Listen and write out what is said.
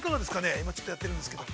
今ちょっとやってるんですけど。